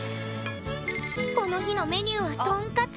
この日のメニューはトンカツ。